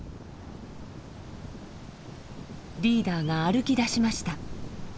リーダーが歩き出しました。